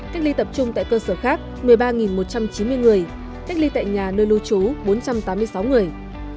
cách ly tập trung tại cơ sở khác một mươi ba một trăm chín mươi người cách ly tại nhà nơi lưu trú bốn trăm tám mươi sáu người